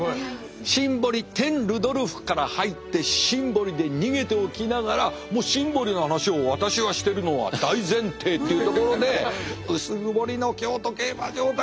シンボリ・ルドルフから入ってシンボリで逃げておきながらもうシンボリの話を私がしてるのは大前提っていうところで薄曇りの京都競馬場。